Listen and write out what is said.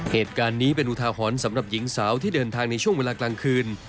เหตุการณ์นี้เป็นอุทาหรณ์สำหรับหญิงสาวที่เดินทางในช่วงเวลากลางคืน